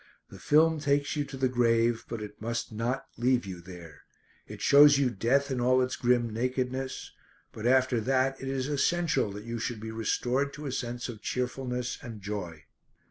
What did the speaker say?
The film takes you to the grave, but it must not leave you there; it shows you death in all its grim nakedness; but after that it is essential that you should be restored to a sense of cheerfulness and joy.